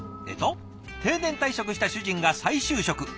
えと「定年退職した主人が再就職。